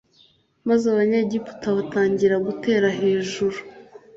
Maze Abanyegiputa batangira gutera hejuru